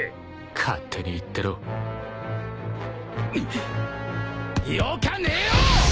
［勝手に言ってろ］ぬよかねえよ！